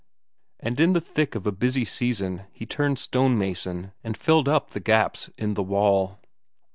And in the thick of a busy season he turned stonemason and filled up the gaps in the wall.